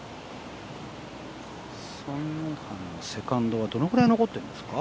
ソン・ヨンハンのセカンドがどのぐらい残ってるんですか？